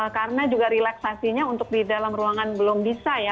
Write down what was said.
karena juga relaksasinya untuk di dalam ruangan belum bisa ya